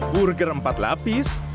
burger empat lapis